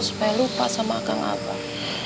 supaya lupa sama kang abah